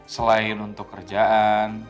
selain untuk kerjaan